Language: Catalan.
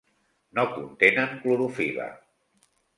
No contenen clorofil·la.